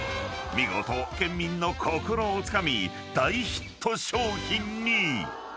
［見事県民の心をつかみ大ヒット商品に］